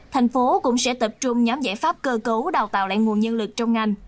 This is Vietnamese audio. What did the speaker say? thành phố cũng sẽ tập trung nhóm giải pháp cơ cấu đào tạo lại nguồn nhân lực trong ngành